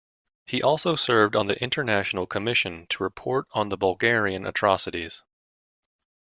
He also served on the International Commission to report on the Bulgarian Atrocities.